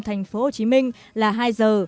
thành phố hồ chí minh là hai giờ